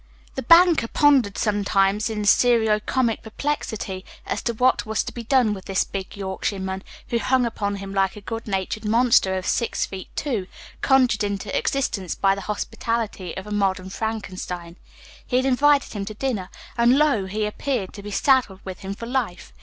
The banker pondered sometimes in serio comic perplexity as to what was to be done with this big Yorkshireman, who hung upon him like a good natured monster of six feet two, conjured into existence by the hospitality of a modern Frankenstein. He had invited him to dinner, and, lo! he appeared to be saddled with him for life.